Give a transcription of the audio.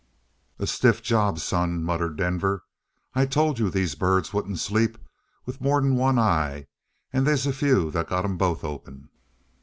"A stiff job, son," muttered Denver. "I told you these birds wouldn't sleep with more'n one eye; and they's a few that's got 'em both open."